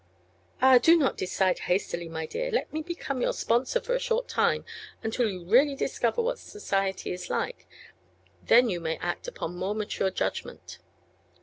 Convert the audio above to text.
"Ah, do not decide hastily, my dear. Let me become your sponsor for a short time, until you really discover what society is like. Then you may act upon more mature judgment."